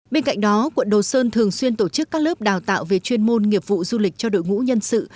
bên cạnh đó quận đồ sơn thường xuyên tổ chức các lớp đào tạo về chuyên môn nghiệp vụ du lịch cho đội ngũ nhân sự